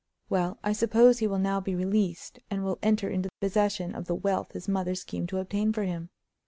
Well, I suppose he will now be released and will enter into possession of the wealth his mother schemed to obtain for him.